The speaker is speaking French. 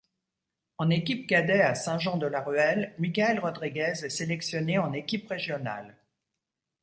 En équipe cadet à Saint-Jean-de-la-Ruelle, Mickaël Rodrigues est sélectionné en équipe régionale.